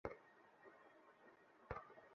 তাহলে, রেচেলের ফিয়ান্সে কেমন?